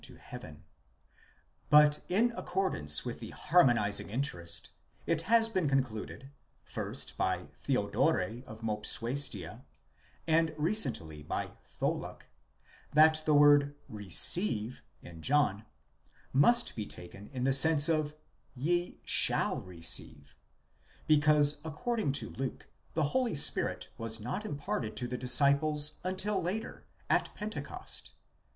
to heaven. But in accordance with the harmonizing interest, it has been con cluded, first by Theodore of Mopsuestia, and recently by Tholuck,' that the word λάβετε, receive, in John, must be taken in the sense of λήψεσθε, ye shall receive, because according to Luke the Holy Spirit was not imparted to the disciples until later, at Pentecost.